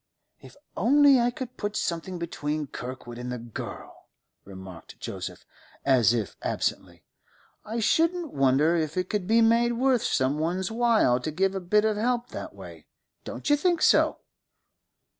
'If only I could put something between Kirkwood and the girl,' remarked Joseph, as if absently. 'I shouldn't wonder if it could be made worth some one's while to give a bit of help that way. Don't you think so?